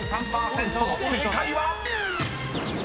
［正解は⁉］